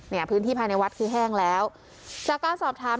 เนี่ยพื้นที่ภายในวัดคือแห้งแล้วจากการสอบถาม